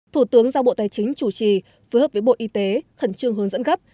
thủ tướng giao bộ tài chính chủ trì phối hợp với bộ y tế khẩn trương hướng dẫn gấp